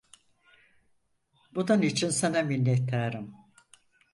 Bunun için sana minnettarım.